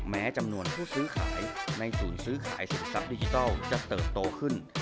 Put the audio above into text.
แม้จำนวนผู้ซื้อขายในศูนย์ซื้อขายสินทรัพย์ดิจิทัลจะเติบโตขึ้น